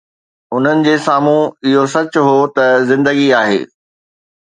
انهن جي سامهون اهو سچ هو ته زندگي آهي.